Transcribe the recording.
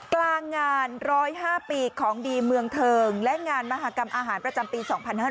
กลางงาน๑๐๕ปีของดีเมืองเทิงและงานมหากรรมอาหารประจำปี๒๕๕๙